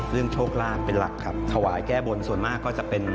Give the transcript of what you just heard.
โชคลาภเป็นหลักครับถวายแก้บนส่วนมากก็จะเป็น